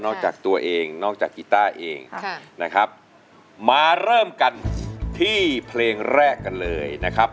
จากตัวเองนอกจากกีต้าเองนะครับมาเริ่มกันที่เพลงแรกกันเลยนะครับ